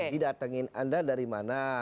didatengin anda dari mana